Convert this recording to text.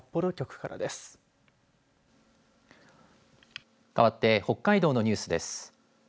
かわって北海道のニュースです。